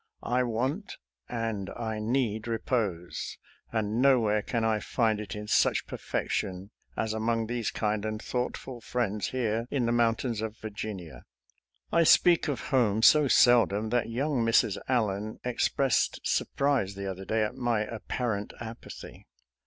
I want and I need repose, and no where can I find it in such perfection as among these kind and thoughtful friends here in the mountains of Virginia. I speak of home so sel dom that young Mrs. Allen expressed surprise the other day at my apparent apathy.